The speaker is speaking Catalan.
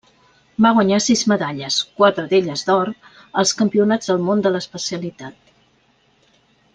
Va guanyar sis medalles, quatre d'elles d'or, als Campionats del Món de l'especialitat.